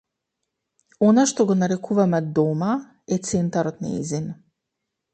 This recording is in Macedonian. Она што го нарекуваме д о м а, е центарот нејзин.